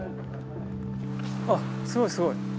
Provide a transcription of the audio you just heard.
あっすごいすごい。